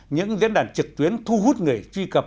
những diễn đàn trực tuyến thu hút người truy cập